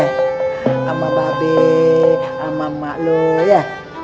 sama mbak be sama emak lu ya